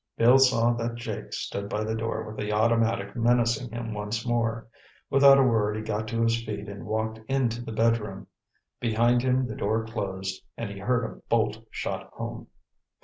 Bill saw that Jake stood by the door with the automatic menacing him once more. Without a word he got to his feet and walked into the bedroom. Behind him the door closed and he heard a bolt shot home.